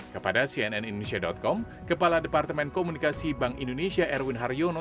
kepada cnn indonesia com kepala departemen komunikasi bank indonesia erwin haryono